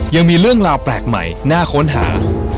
ยังมีเรื่องราวแปลกใหม่น่าค้นหา